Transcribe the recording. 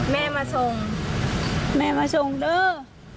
แม่มาทรงแม่มาทรงด้วย